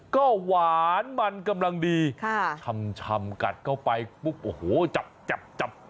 ก็หวานมันกำลังดีชำกัดเข้าไปปุ๊บโอ้โหจับจับ